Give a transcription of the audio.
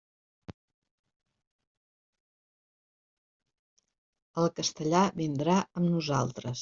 El castellà vindrà amb nosaltres.